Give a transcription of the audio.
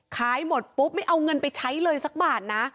ขายหมดปุ๊บไม่เอาเงินไปใช้เลยสักบาทนะ